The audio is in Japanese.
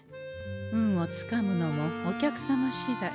運をつかむのもお客様しだい。